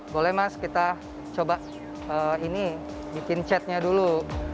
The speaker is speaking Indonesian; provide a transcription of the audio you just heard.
boleh mas kita coba ini bikin chatnya dulu